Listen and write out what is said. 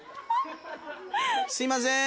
すいませーん。